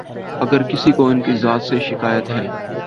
اگر کسی کو ان کی ذات سے شکایت ہے۔